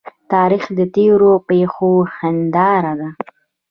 تاریخ د تیرو پیښو هنداره ده.